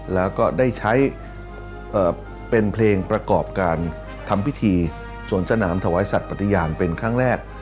แล้วก็ได้ใช้เป็นเพลงประกอบการทำพิธีสวนสนามถวายสัตว์ปฏิญาณเป็นครั้งแรก